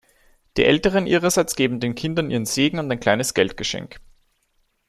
Die Älteren ihrerseits geben den Kindern ihren Segen und ein kleines Geldgeschenk.